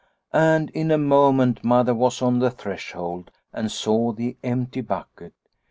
And in a moment Mother was on the threshold and saw the empty bucket.